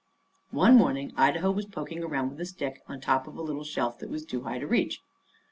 One morning Idaho was poking around with a stick on top of a little shelf that was too high to reach.